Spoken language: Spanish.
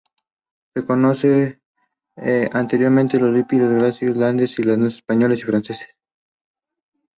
Se conocen antecedentes indios, greco-latinos, islandeses, españoles y franceses.